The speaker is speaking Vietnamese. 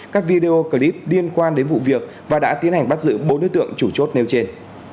các video clip liên quan đến vụ việc và đã tiến hành bắt giữ bốn đối tượng chủ chốt nêu trên